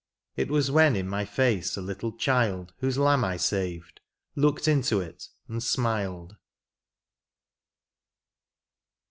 It was when in my face a little child Whose lamb I saved, looked into it and smiled.